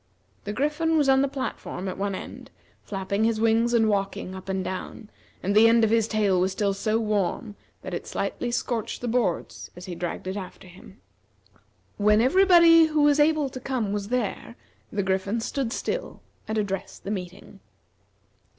The Griffin was on the platform at one end, flapping his wings and walking up and down, and the end of his tail was still so warm that it slightly scorched the boards as he dragged it after him. When everybody who was able to come was there, the Griffin stood still and addressed the meeting.